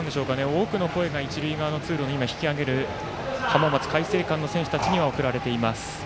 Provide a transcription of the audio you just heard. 多くの声が一塁側の通路に引き揚げる浜松開誠館の選手たちには送られています。